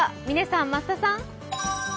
嶺さん、増田さん。